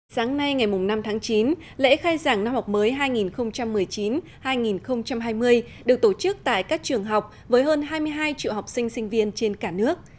sáng nay ngày năm tháng chín lễ khai giảng năm học mới hai nghìn một mươi chín hai nghìn hai mươi được tổ chức tại các trường học với hơn hai mươi hai triệu học sinh sinh viên trên cả nước